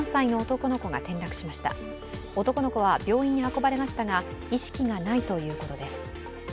男の子は病院に運ばれましたが意識がないということです。